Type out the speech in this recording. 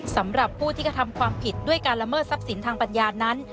สำหรับผู้ที่กระทำความผิดด้วยการละเมิดทรัพย์สินทางปัญญานั้น